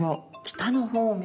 北の方に？